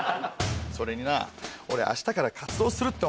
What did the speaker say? それにな俺明日から活動するってお前